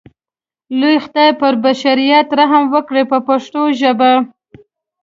لوی خدای پر بشریت رحم وکړ په پښتو ژبه.